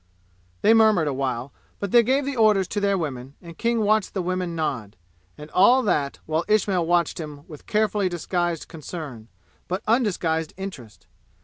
They murmured a while, but they gave the orders to their women, and King watched the women nod. And all that while Ismail watched him with carefully disguised concern, but undisguised interest.